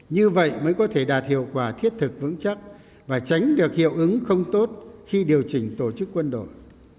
như vậy mới có thể đạt hiệu quả thiết thực vững chắc và tránh được hiệu ứng không tốt khi điều chỉnh tổ chức quân đội